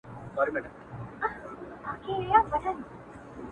دغزل جامونه وېسي .